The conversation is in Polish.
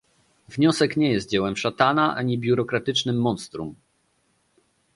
Wniosek nie jest dziełem szatana ani biurokratycznym monstrum